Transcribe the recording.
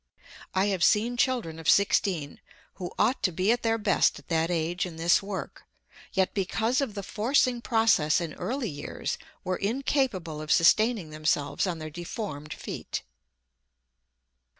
I have seen children of sixteen who ought to be at their best at that age in this work, yet because of the forcing process in early years were incapable of sustaining themselves on their deformed feet.